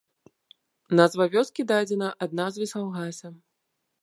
Назва вёскі дадзена ад назвы саўгаса.